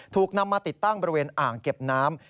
ถูกนำมาติดตั้งบริเวณอ่างเก็บน้ำ